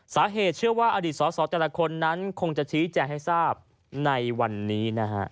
เชื่อว่าอดีตสอสอแต่ละคนนั้นคงจะชี้แจงให้ทราบในวันนี้นะฮะ